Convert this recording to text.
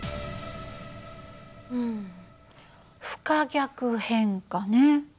うん不可逆変化ね。